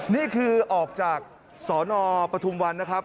นี่คือออกจากสนปฐุมวันนะครับ